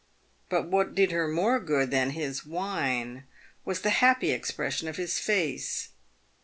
But what did her more good than his wine was the happy ex pression of his face.